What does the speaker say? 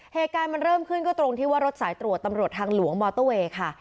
เหตุการณ์มันเริ่มขึ้นก็ตรงที่ว่ารถสายตรวจตำรวจทางหลวงมอเตอร์เวย์ค่ะ